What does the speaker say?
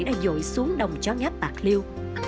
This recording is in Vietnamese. đã dội xuống đồng chó ngáp bạc liêu